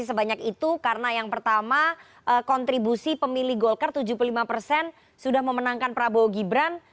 jadi sebanyak itu karena yang pertama kontribusi pemilih golkar tujuh puluh lima persen sudah memenangkan prabowo gibran